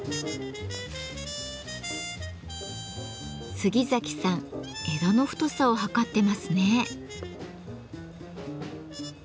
杉崎さん枝の太さを測ってますね。